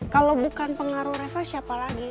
kalau bukan pengaruh reva siapa lagi